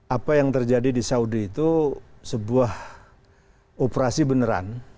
apa yang terjadi di saudi itu sebuah operasi beneran